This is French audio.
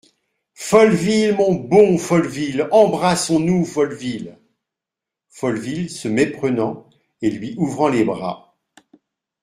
Folleville ! mon bon Folleville ! embrassons-nous, Folleville !" Folleville , se méprenant et lui ouvrant les bras.